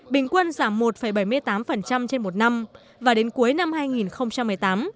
bình quân giảm một bảy mươi tám trên một năm và đến cuối năm hai nghìn một mươi tám